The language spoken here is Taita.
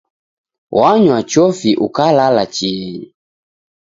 Wanywa chofi ukalala chienyi.